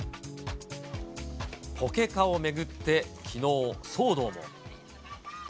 ポケカを巡ってきのう、騒動も。